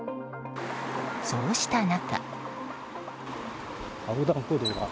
そうした中。